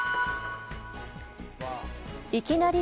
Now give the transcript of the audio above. いきなり！